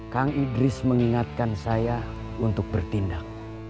kang idris mengingatkan saya untuk bertindak